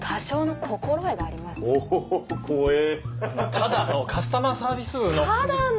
ただのカスタマーサービス部の。